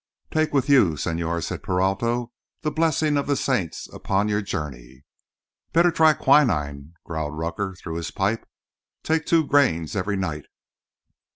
"Take with you, señor," said Peralto, "the blessings of the saints upon your journey." "Better try quinine," growled Rucker through his pipe. "Take two grains every night.